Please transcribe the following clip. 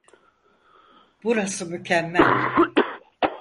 Burası mükemmel.